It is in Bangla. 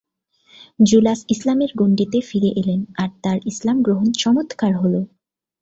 জুলাস ইসলামের গণ্ডিতে ফিরে এলেন আর তার ইসলাম গ্রহণ চমৎকার হল।